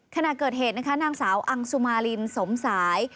ขณะเกิดเหตุนะคะนางสาวอังสุมารินสมสาย